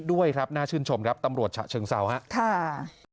ด้วยครับน่าชื่นชมครับตำรวจฉะเชิงเซาครับ